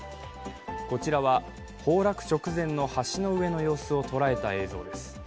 こちらは崩落直前の橋の上の様子を捉えた映像です。